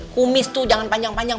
kumis tuh jangan panjang panjang